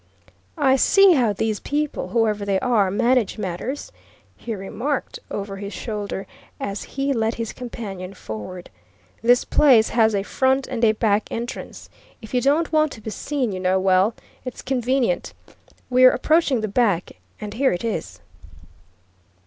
"I see how these people, whoever they are, manage matters," he remarked over his shoulder as he led his companion forward. "This place has a front and a back entrance. If you don't want to be seen, you know, well, it's convenient. We're approaching the back and here it is."